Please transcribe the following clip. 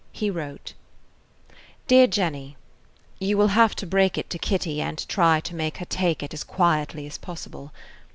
He wrote: DEAR JENNY: You will have to break it to Kitty and try to make her take it as quietly as possible.